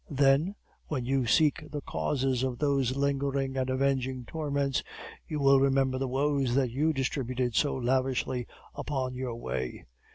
Then, when you seek the causes of those lingering and avenging torments, you will remember the woes that you distributed so lavishly upon your way.